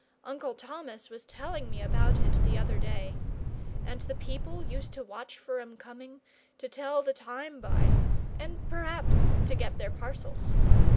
Uncle Thomas was telling me about it the other day. And the people used to watch for 'em coming, to tell the time by, and p'r'aps to get their parcels.